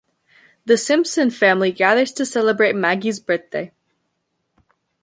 The Simpson family gathers to celebrate Maggie's birthday.